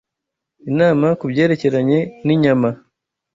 Inama ku byerekeranye n’inyama